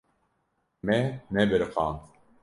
Me nebiriqand.